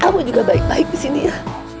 kamu juga baik baik di sini ya